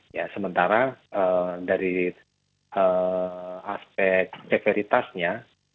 ya sementara dari aspek severitasnya